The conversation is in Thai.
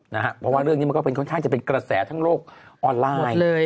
เพราะว่าเรื่องนี้มันก็ค่อยจะเป็นกระแสทั้งโลกออนไลน์